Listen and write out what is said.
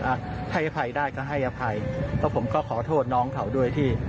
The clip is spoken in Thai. อ่ะให้อภัยได้ก็ให้อภัยก็ผมก็ขอโทษน้องเขาด้วยที่